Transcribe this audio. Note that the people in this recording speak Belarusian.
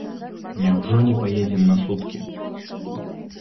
Няўжо не паедзем на суткі?